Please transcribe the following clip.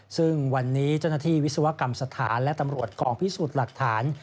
ซึ่งวันนี้เจ้าหน้าที่วิศวกรรมสถานและตำรวจกองพิสูจน์หลักฐาน